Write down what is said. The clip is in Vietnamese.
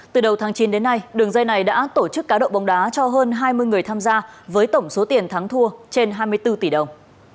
từ đầu tháng chín đến nay đường dây này đã tổ chức cá độ bóng đá cho hơn hai mươi người tham gia với tổng số tiền thắng thua trên hai mươi bốn tỷ đồng